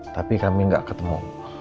tapi kami enggak ketemu